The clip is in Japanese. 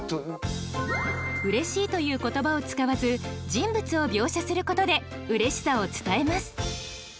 「嬉しい」という言葉を使わず人物を描写することで嬉しさを伝えます。